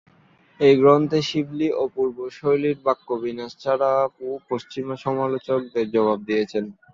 এই গ্রন্থে শিবলী অপূর্ব শৈলীর বাক্য বিন্যাস ছাড়াও পশ্চিমা সমালোচকদের জবাব দিয়েছেন।